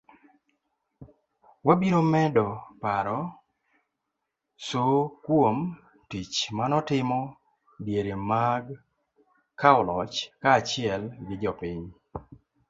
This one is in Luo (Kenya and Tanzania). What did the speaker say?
wabiro medo paro Soo kuom tich manotimo diere mag kawo loch kaachiel gi jopiny